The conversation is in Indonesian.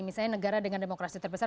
misalnya negara dengan demokrasi terbesar